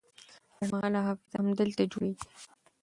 لنډمهاله حافظه همدلته جوړیږي.